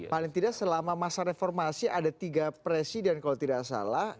paling tidak selama masa reformasi ada tiga presiden kalau tidak salah